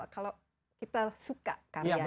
kalau kita suka karyanya